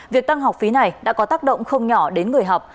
việc tăng học phí này đã có tác động không nhỏ đến người học